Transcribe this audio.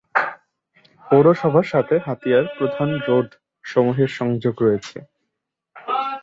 পৌরসভার সাথে হাতিয়ার প্রধান রোড সমূহের সংযোগ রয়েছে।